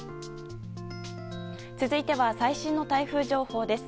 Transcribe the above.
続いては最新の台風情報です。